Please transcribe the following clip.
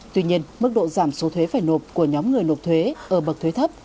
tuy nhiên mức độ giảm số thuế phải nộp của nhóm người nộp thuế ở bậc thuế thấp